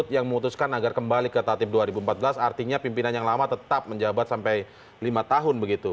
yang memutuskan agar kembali ke tatib dua ribu empat belas artinya pimpinan yang lama tetap menjabat sampai lima tahun begitu